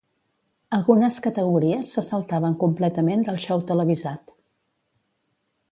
Algunes categories se saltaven completament del xou televisat.